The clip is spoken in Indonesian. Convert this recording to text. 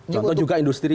contoh juga industri